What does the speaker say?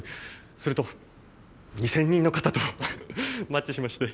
すると２０００人の方とマッチしまして。